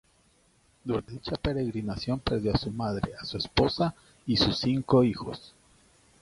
Durante dicha peregrinación perdió a su madre, a su esposa y sus cinco hijos.